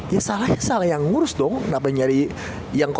ya salahnya salah yang ngurus dong